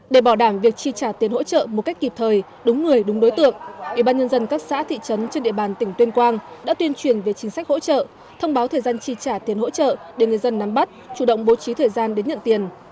để bảo đảm việc chi trả tiền hỗ trợ một cách kịp thời đúng người đúng đối tượng ủy ban nhân dân các xã thị trấn trên địa bàn tỉnh tuyên quang đã tuyên truyền về chính sách hỗ trợ thông báo thời gian chi trả tiền hỗ trợ để người dân nắm bắt chủ động bố trí thời gian đến nhận tiền